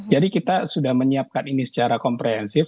jadi kita sudah menyiapkan ini secara komprehensif